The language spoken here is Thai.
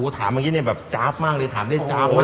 ถามเมื่อกี้แบบจาฟมากเลยถามได้จาฟมาก